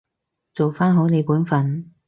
做返好你本分